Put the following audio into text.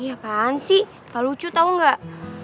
iya apaan sih tak lucu tau gak